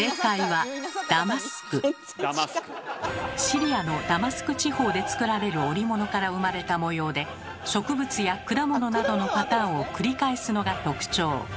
シリアのダマスク地方で作られる織物から生まれた模様で植物や果物などのパターンを繰り返すのが特徴。